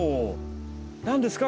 何ですか？